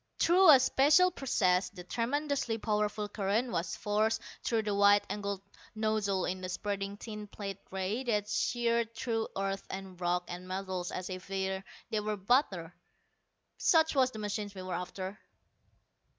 Through a special process the tremendously powerful current was forced through the wide angled nozzle in a spreading thin plate ray that sheared through earth and rock and metals as if they were butter. Such was the machine we were after.